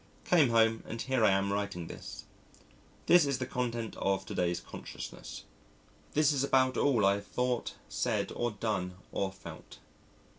Came home and here I am writing this. This is the content of to day's consciousness. This is about all I have thought, said, or done, or felt.